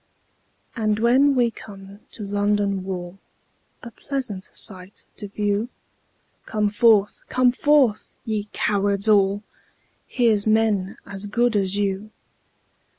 And when we come to London Wall, A pleasant sight to view, Come forth! come forth! ye cowards all: Here's men as good as you.